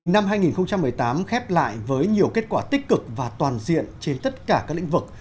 năm hai nghìn một mươi tám khép lại với nhiều kết quả tích cực và toàn diện trên tất cả các lĩnh vực